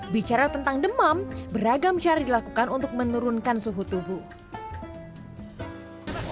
bicara tentang demam beragam cara dilakukan untuk menurunkan suhu tubuh